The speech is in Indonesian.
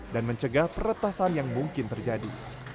dan mencegah peretasan yang mungkin terjadi